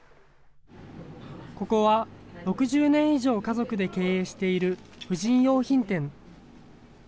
ここは６０年以上家族で経営している婦人用品店。